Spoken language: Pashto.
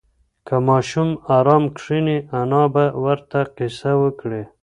که ماشوم ارام کښېني، انا به ورته قصه وکړي.